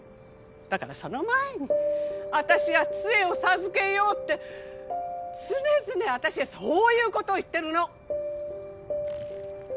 だからその前にあたしがつえを授けようって常々あたしはそういうことを言ってるの。